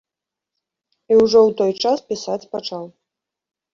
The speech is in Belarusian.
І ўжо ў той час пісаць пачаў.